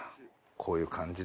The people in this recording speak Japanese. こういう感じです。